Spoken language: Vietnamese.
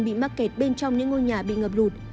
bị mắc kẹt bên trong những ngôi nhà bị ngập lụt